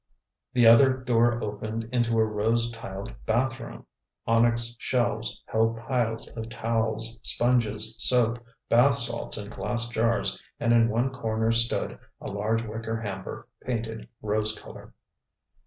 The other door opened into a rose tiled bathroom. Onyx shelves held piles of towels, sponges, soap, bath salts in glass jars, and in one corner stood a large wicker hamper, painted rose color.